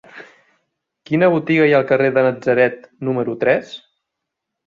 Quina botiga hi ha al carrer de Natzaret número tres?